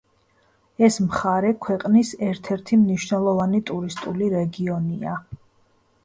ეს მხარე ქვეყნის ერთ-ერთი მნიშვნელოვანი ტურისტული რეგიონია.